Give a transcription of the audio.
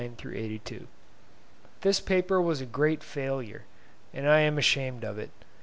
This paper was a great failure, and I am ashamed of it.